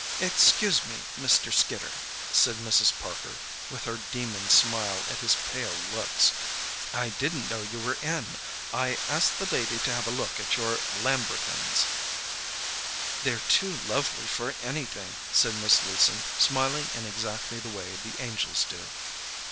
"Excuse me, Mr. Skidder," said Mrs. Parker, with her demon's smile at his pale looks. "I didn't know you were in. I asked the lady to have a look at your lambrequins." "They're too lovely for anything," said Miss Leeson, smiling in exactly the way the angels do.